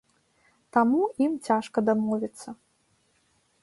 Таму ім цяжка дамовіцца.